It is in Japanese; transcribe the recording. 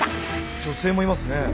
女性もいますね。